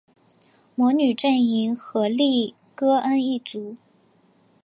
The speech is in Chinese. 魔女阵营荷丽歌恩一族